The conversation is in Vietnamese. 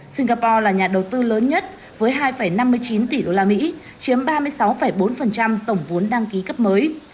singapore là nhà đầu tư lớn nhất với hai năm mươi chín tỷ usd chiếm ba mươi sáu bốn tổng vốn đăng ký cấp mới